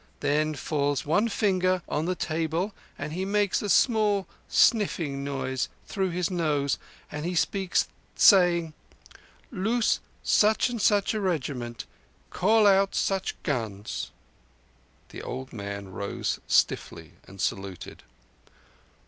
Then falls one finger on the table and He makes a small sniffing noise through his nose. Then He speaks, saying: 'Loose such and such a regiment. Call out such guns.'" The old man rose stiffly and saluted.